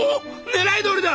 狙いどおりだ！